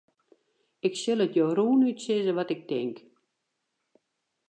Ik sil it jo rûnút sizze wat ik tink.